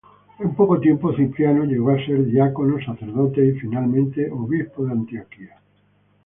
En poco tiempo, Cipriano llegó a ser diácono, sacerdote y finalmente obispo de Antioquía.